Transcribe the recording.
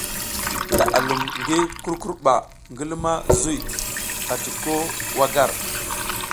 Da a lum gi kurkur mba ngi luma zuy ati ko wa gar.